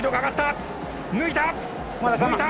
抜いた！